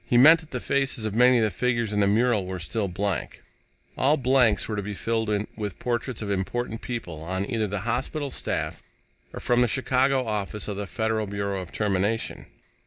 He meant that the faces of many of the figures in the mural were still blank. All blanks were to be filled with portraits of important people on either the hospital staff or from the Chicago Office of the Federal Bureau of Termination.